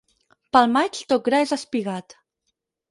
Pel maig tot gra és espigat.